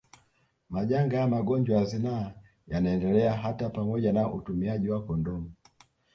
Majanga ya magonjwa ya zinaa yanaendelea hata pamoja na utumiaji wa kondomu